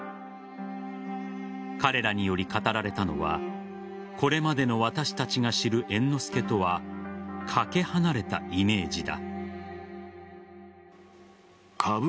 彼らにより語られたのはこれまでの私たちが知る猿之助とはかけ離れたイメージだ。